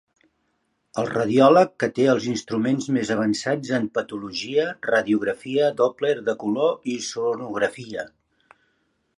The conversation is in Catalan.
El radiòleg que té els instruments més avançats en patologia, radiografia, doppler de color i sonografia.